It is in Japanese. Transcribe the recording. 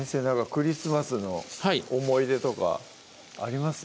クリスマスの思い出とかあります？